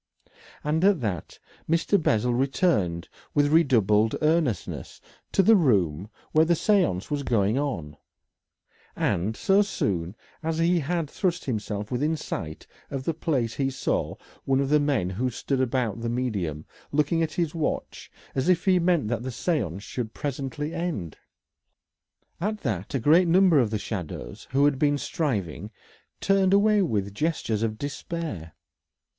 And at that Mr. Bessel returned with redoubled earnestness to the room where the séance was going on, and so soon as he had thrust himself within sight of the place he saw one of the men who stood about the medium looking at his watch as if he meant that the séance should presently end. At that a great number of the shadows who had been striving turned away with gestures of despair.